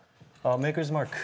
メーカーズマーク。